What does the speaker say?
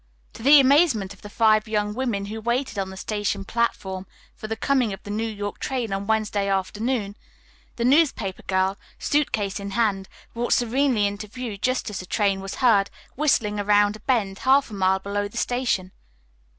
To the amazement of the five young women who waited on the station platform for the coming of the New York train on Wednesday afternoon, the newspaper girl, suit case in hand, walked serenely into view just as the train was heard whistling around a bend half a mile below the station.